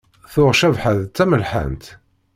Tuɣ Cabḥa d tamelḥant.